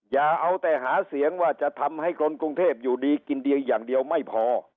อย่าเอาแต่หาเสียงว่าจะทำให้คนกรุงเทพอยู่ดีกินดีอย่างเดียวไม่พอ